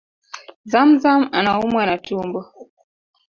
ZamZam anaumwa na tumbo